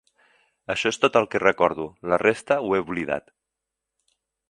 Això és tot el que recordo: la resta, ho he oblidat.